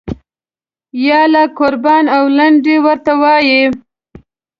یاله قربان او لنډۍ ورته وایي.